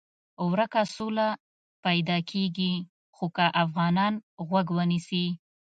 ورکه سوله پیدا کېږي خو که افغانان غوږ ونیسي.